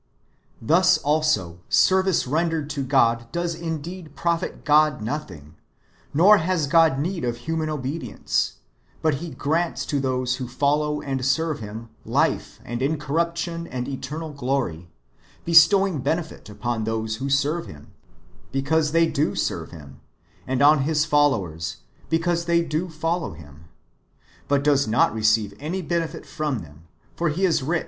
Thus, also, service [rendered] to God does indeed profit God nothing, nor has God need of human obedience; but He grants to those who follow and serve Him life and incorruption and eternal glory, bestowing benefit upon those who serve [Him], because they do serve Him, and on His followers, because they do follow Him; but does not receive any benefit from them : for He is rich, ^ Jas.